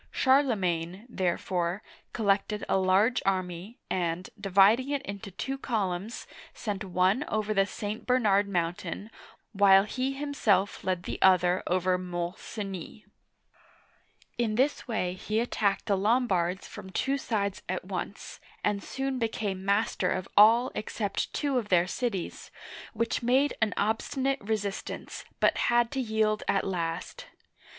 Charlemagne, therefore, collected a large army and, dividing it into two columns, sent one over the St. Bernard' Mountain, while he himself led the other over Mont Cenis (m6N se nee'). In this way he attacked the Lombards from two sides at once, and soon became master of all except two of their cities, which made an obstinate resistance, but had to yield at last.